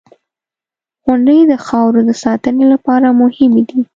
• غونډۍ د خاورو د ساتنې لپاره مهمې دي.